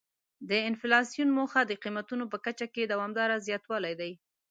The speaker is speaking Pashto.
د انفلاسیون موخه د قیمتونو په کچه کې دوامداره زیاتوالی دی.